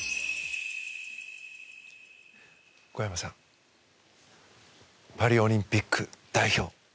小山さんパリオリンピック代表